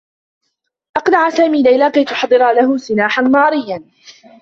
أقنع سامي ليلى كي تحضر له سلاحا ناريّا.